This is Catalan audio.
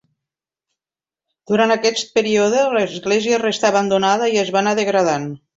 Durant aquest període l'església restà abandonada i es va anar degradant.